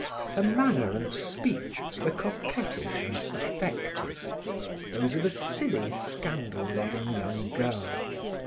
Her manner and speech were coquettish and affected, those of a silly, scandal loving young girl.